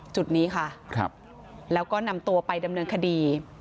จุดนี้ค่ะแล้วก็นำตัวไปดำเนินคดี